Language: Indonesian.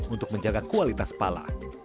untuk menjaga kualitas pala